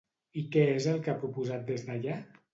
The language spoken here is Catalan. I què és el que ha proposat des d'allà?